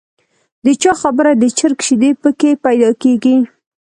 د چا خبره د چرګ شیدې په کې پیدا کېږي.